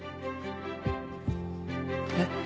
えっ？